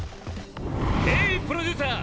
ヘイプロデューサー！